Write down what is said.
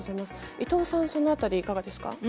伊藤さん、そのあたりいかがです